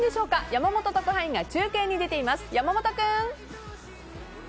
山本特派員が中継に出ています。